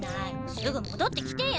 すぐもどってきてよ。